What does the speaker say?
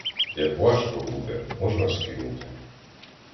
Як важко буде, можна скинути.